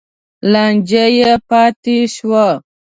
لانجه یې پاتې شوه.